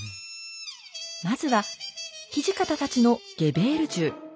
まずは土方たちのゲベール銃。